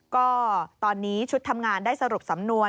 ก็ตอนนี้ชุดทำงานได้สรุปสำนวน